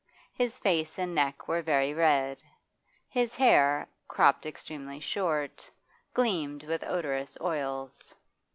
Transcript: His face and neck were very red; his hair, cropped extremely short, gleamed with odorous oils.